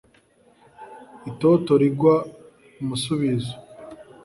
itoto rigwa umusubizo